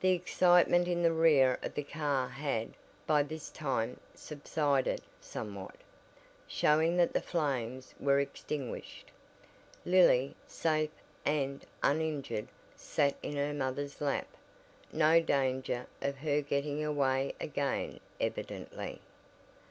The excitement in the rear of the car had, by this time subsided somewhat, showing that the flames were extinguished. Lily, safe and uninjured, sat in her mother's lap no danger of her getting away again evidently.